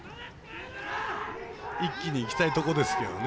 一気にいきたいとこですけどね